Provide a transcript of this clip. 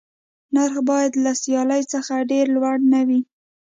نرخ باید له سیالۍ څخه ډېر لوړ نه وي.